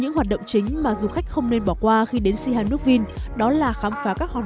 những hoạt động chính mà du khách không nên bỏ qua khi đến sihanukvin đó là khám phá các hòn